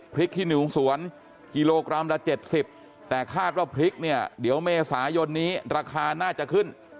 ขี้หนูสวนกิโลกรัมละ๗๐แต่คาดว่าพริกเนี่ยเดี๋ยวเมษายนนี้ราคาน่าจะขึ้น